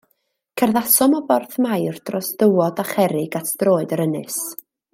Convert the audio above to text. Cerddasom o borth Mair dros dywod a cherrig at droed yr ynys.